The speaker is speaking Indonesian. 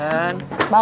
bangun bangun bangun